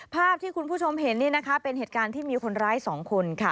ภาพที่คุณผู้ชมเห็นนี่นะคะเป็นเหตุการณ์ที่มีคนร้าย๒คนค่ะ